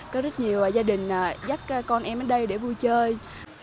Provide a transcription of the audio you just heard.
có rất nhiều gia đình dắt con em đến đây để vui chơi